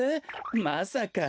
まさか。